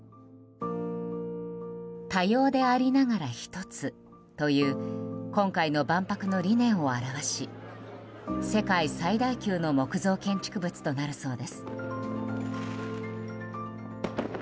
「多様でありながら、ひとつ」という今回の万博の理念を表し世界最大級の木造建築物となるそうです。